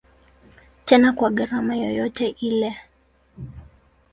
Tena kwa gharama yoyote ile.